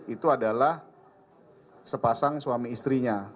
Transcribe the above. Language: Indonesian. itu adalah sepasang suami istrinya